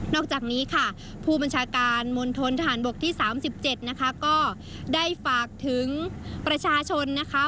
อกจากนี้ค่ะผู้บัญชาการมณฑนทหารบกที่๓๗นะคะก็ได้ฝากถึงประชาชนนะคะ